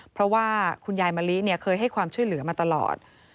เพราะว่าคุณยายมะลิเคยให้ความช่วยเหลือมาตลอด